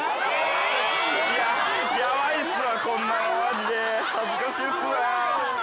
いやヤバいっすわこんなのマジで恥ずかしいっすな。